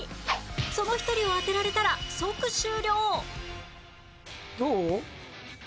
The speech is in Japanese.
その１人を当てられたら即終了！